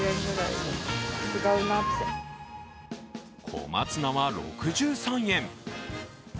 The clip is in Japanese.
小松菜は６３円。